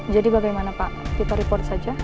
jadi bagaimana pak kita report saja